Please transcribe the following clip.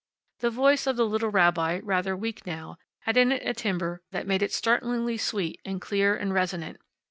The voice of the little rabbi, rather weak now, had in it a timbre that made it startlingly sweet and clear and resonant.